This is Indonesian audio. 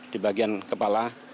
di bagian kepala